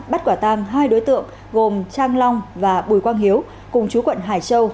bắt quả tàng hai đối tượng gồm trang long và bùi quang hiếu cùng chú quận hải châu